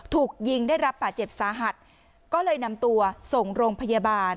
ถูกยิงได้รับบาดเจ็บสาหัสก็เลยนำตัวส่งโรงพยาบาล